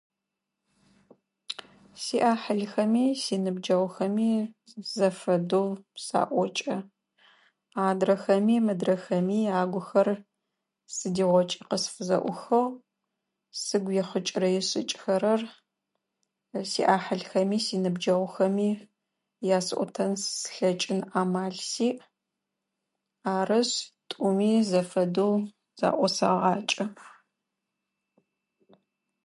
Сиӏахьылхэми синыбджэгъухэми зэфэдэу саӏокӏэ. Адрэхэми мыдрэхэми агухэр сыдигъокӏи къысфызэӏухыгъ. Сыгу ихъыкӏырэ ишъыкӏхэрэр сиӏахьылхэми синыбджэгъухэми ясӏотэн слъэкӏын амал сиӏ. Арышъ, тӏуми зэфэдэу заӏосэгъакӏэ.